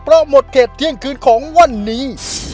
เพราะหมดเขตเที่ยงคืนของวันนี้